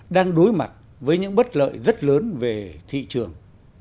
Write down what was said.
đang đối mặt với những bất lợi rất lớn về thị trường